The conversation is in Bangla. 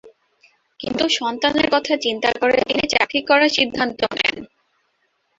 কিন্তু সন্তানের কথা চিন্তা করে তিনি চাকরি করার সিদ্ধান্ত নেন।